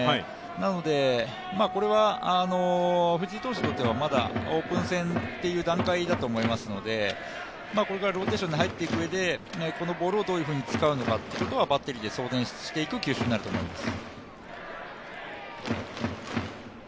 なので、藤井投手にとってはまだオープン戦という段階だと思いますので、これからローテーションに入っていくうえでこのボールをどういうふうに使うのかというのはバッテリーで相談していく球種になると思います。